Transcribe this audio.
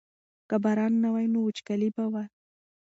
که باران نه وای نو وچکالي به وه.